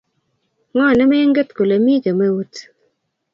ng'o nemenget kole mi kemeut?